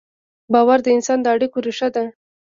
باور د انسان د اړیکو ریښه ده.